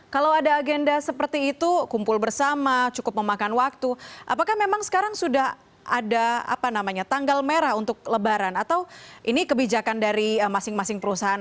kalau ada agenda seperti itu kumpul bersama cukup memakan waktu apakah memang sekarang sudah ada tanggal merah untuk lebaran atau ini kebijakan dari masing masing perusahaan